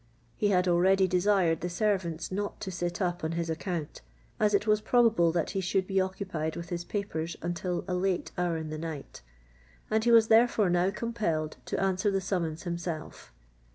He had already desired the servants not to sit up on his account, as it was probable that he should be occupied with his papers until a late hour in the night; and he was therefore now compelled to answer the summons himself.